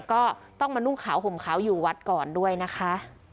ก็ต้องมานุ่งขาวห่มขาวอยู่วัดก่อนด้วยนะคะ